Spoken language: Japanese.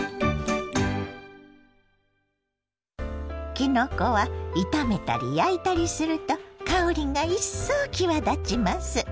きのこは炒めたり焼いたりすると香りが一層際立ちます。